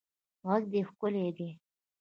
غږ دې ښکلی دی